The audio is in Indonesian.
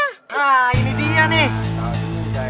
nah ini dia nih